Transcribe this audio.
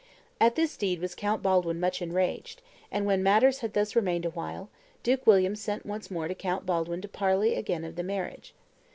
At this deed was Count Baldwin much enraged; and when matters had thus remained a while, Duke William sent once more to Count Baldwin to parley again of the marriage.